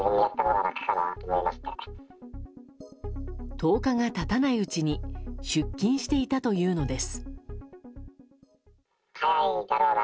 １０日が経たないうちに出勤していたというのです。